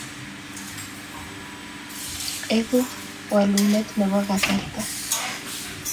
Egu walunet nebo kasarta